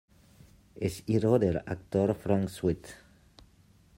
Es hijo del actor Frank Sweet.